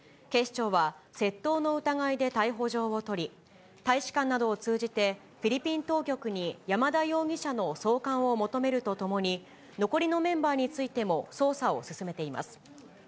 警視庁は、窃盗の疑いで逮捕状を取り、大使館などを通じてフィリピン当局に山田容疑者の送還を求めるとともに、残りのメンバーについても捜査を進めています。